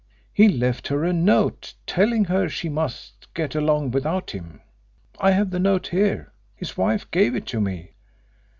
He left her a note telling her she must get along without him. I have the note here his wife gave it to me."